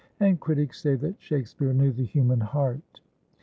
And critics say that Shakespeare knew the human heart.'